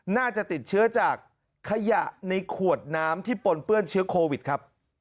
น่าจะติดเชื้อจากขยะในขวดน้ำที่ปนเปื้อนเชื้อโควิดครับ